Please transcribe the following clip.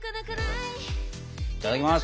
いただきます。